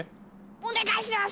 お願いします！